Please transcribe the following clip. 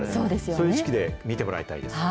そういう意識で見てもらいたいです。